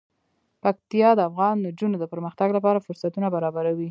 پکتیا د افغان نجونو د پرمختګ لپاره فرصتونه برابروي.